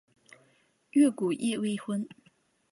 越谷治未婚。